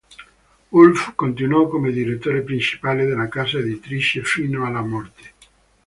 Woolf continuò come direttore principale della casa editrice fino alla morte.